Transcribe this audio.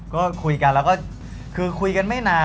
ก็คุยกันแล้วก็คือคุยกันไม่นาน